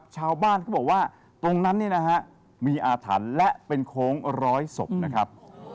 ชาวบ้านก็บอกว่าตรงนั้นมีอาถรรพ์และเป็นโค้งร้อยศพ